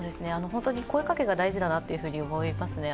本当に声かけが大事だなと思いますね。